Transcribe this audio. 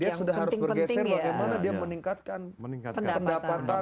dia sudah harus bergeser bagaimana dia meningkatkan pendapatan